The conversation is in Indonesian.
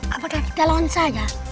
apakah kita lonca aja